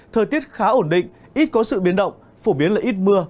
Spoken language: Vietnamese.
thời tiết khá ổn định ít có sự biến động phổ biến là ít mưa